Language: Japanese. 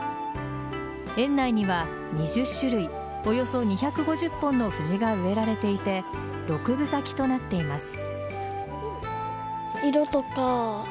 園内には２０種類およそ２５０本のフジが植えられていて６分咲きとなっています。